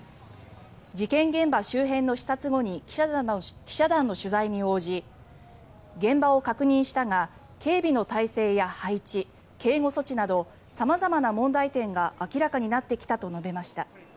事件現場周辺の視察後に記者団の取材に応じ現場を確認したが警備の態勢や配置、警護措置など様々な問題点が明らかになってきたと述べました。